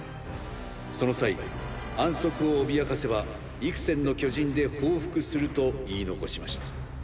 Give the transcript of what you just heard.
その際安息を脅かせば幾千の巨人で報復すると言い残しました。